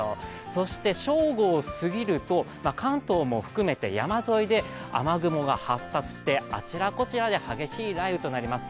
そして、正午を過ぎると、関東も含めて山沿いで雨雲が発達して、あちらこちらで激しい雷雨となります。